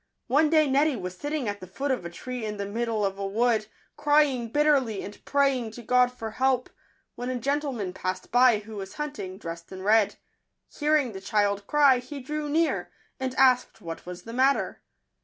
One day Neddy was sitting at the foot of a tree in the middle of a wood, crying bitterly, and pray ing to God for help, when a gentleman passed by, who was hunting, dressed in red. Hear ing the child cry, he drew near, and asked what was the matter.